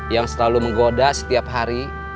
yang selalu menggoda setiap hari